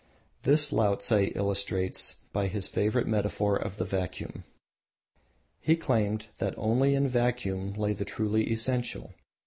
This Laotse illustrates by his favourite metaphor of the Vacuum. He claimed that only in vacuum lay the truly essential.